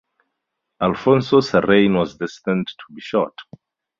Alfonso's reign was destined to be short.